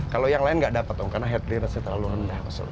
kalau yang lain tidak dapat karena head clearance nya terlalu rendah